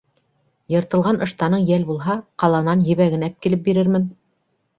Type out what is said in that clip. Йыртылған ыштаның йәл булһа, ҡаланан ебәген әпкилеп бирермен.